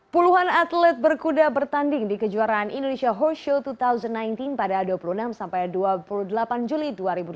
puluhan atlet berkuda bertanding di kejuaraan indonesia horshow dua ribu sembilan belas pada dua puluh enam sampai dua puluh delapan juli dua ribu dua puluh